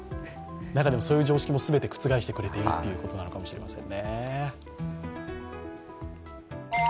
そういう常識も全て覆してくれてるということかもしれません。